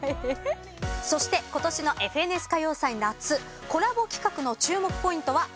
そしてことしの『ＦＮＳ歌謡祭夏』コラボ企画の注目ポイントは２つあります。